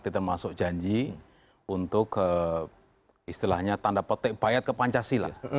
kita masuk janji untuk istilahnya tanda petik bayat ke pancasila